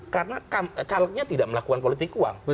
karena calegnya tidak melakukan politik uang